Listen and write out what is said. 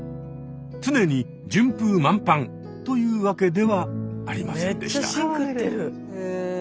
常に順風満帆というわけではありませんでした。